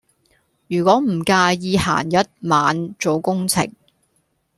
如果唔介意閒日晚做工程